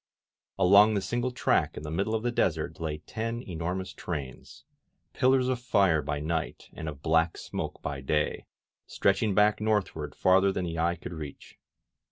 Along the single track in the middle of the desert lay ten enormous trains, pillars of fire by night and of black smoke by day, stretching back northward far ther than the eye could reach.